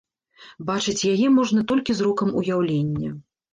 Бачыць яе можна толькі зрокам уяўлення.